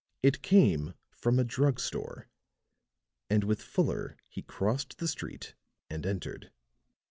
It came from a drug store, and with Fuller he crossed the street and entered.